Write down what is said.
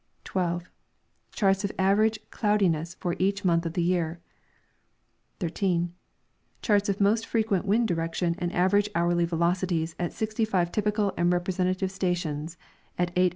12. Charts of average cloudiness for each month of the year. 13. Charts of most frequent wind direction and average hourly ■velocities at 65 typical and representative stations at 8 a. m.